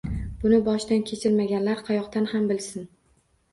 Buni boshidan kechirmaganlar qayoqdan ham bilsin